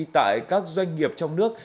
tại các doanh nghiệp trong nước